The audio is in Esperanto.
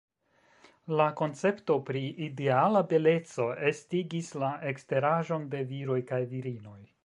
La koncepto pri ideala beleco estigis la eksteraĵon de viroj kaj virinoj.